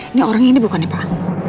ini orang ini bukannya pak